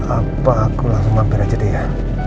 apa aku langsung mampir aja deh ya